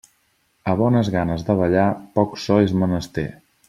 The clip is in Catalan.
A bones ganes de ballar, poc so és menester.